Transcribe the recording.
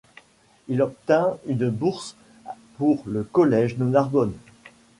Il obtint une bourse pour le collège de Narbonne.